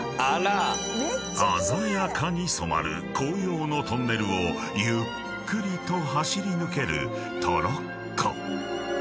［鮮やかに染まる紅葉のトンネルをゆっくりと走り抜けるトロッコ］